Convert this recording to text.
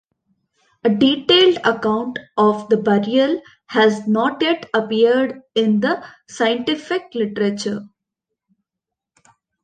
A detailed account of the burial has not yet appeared in the scientific literature.